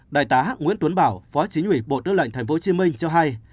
đại tá nguyễn tuấn bảo phó chính ủy bộ tư lệnh tp hcm cho hay